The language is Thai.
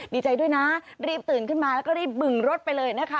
ดีใจด้วยนะรีบตื่นขึ้นมาแล้วก็รีบบึงรถไปเลยนะคะ